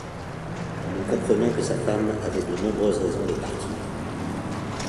Nous comprenons que sa femme avait de nombreuses raisons de partir.